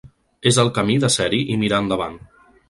És el camí de ser-hi i mirar endavant.